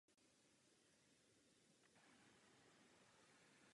Po překonání počátečních překážek začal v Sao Paulo vyučovat ekonomii.